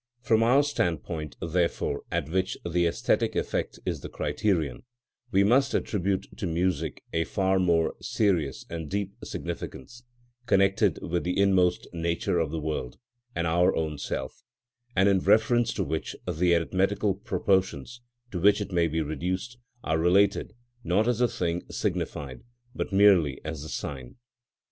From our standpoint, therefore, at which the æsthetic effect is the criterion, we must attribute to music a far more serious and deep significance, connected with the inmost nature of the world and our own self, and in reference to which the arithmetical proportions, to which it may be reduced, are related, not as the thing signified, but merely as the sign.